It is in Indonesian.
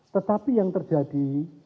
tetapi yang terjadi